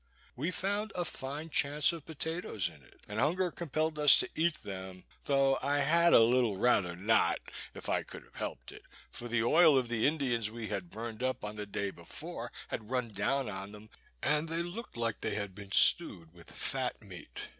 We found a fine chance of potatoes in it, and hunger compelled us to eat them, though I had a little rather not, if I could have helped it, for the oil of the Indians we had burned up on the day before had run down on them, and they looked like they had been stewed with fat meat.